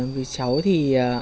vì cháu thì